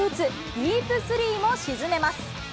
ディープスリーも沈めます。